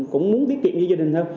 cũng muốn tiết kiệm cho gia đình hơn